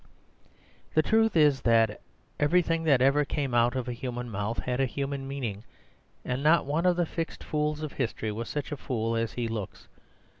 The truth is that everything that ever came out of a human mouth had a human meaning; and not one of the fixed fools of history was such a fool as he looks.